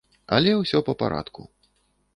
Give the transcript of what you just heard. Але ўсё па парадку.